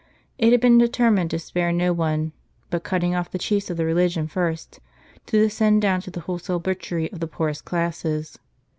It had been deter mined to spare no one; but cutting off the chiefs of the religion first, to descend down to the wholesale butchery of the poorest classes.